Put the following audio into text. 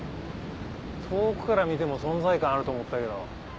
遠くから見ても存在感あると思ったけど。